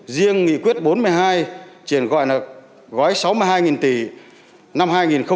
riêng nghị quyết bốn mươi hai triển gọi là gói sáu mươi hai tỷ năm hai nghìn hai mươi